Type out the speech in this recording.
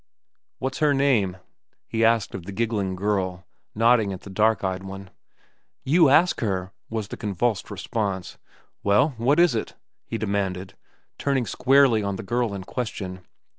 "What's her name?" he asked of the giggling girl, nodding at the dark eyed one. "You ask her," was the convulsed response. "Well, what is it?" he demanded, turning squarely on the girl in question.